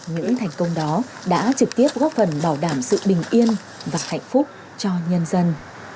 những thành công đó đã trực tiếp góp phần bảo đảm sự bình yên và hạnh phúc cho nhân dân